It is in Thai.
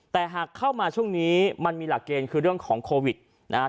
แต่หากเข้ามาช่วงนี้มันมีหลักเกณฑ์คือเรื่องของโควิดนะฮะ